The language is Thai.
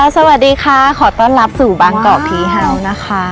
สวัสดีค่ะขอต้อนรับสู่บางกอกผีเฮานะคะ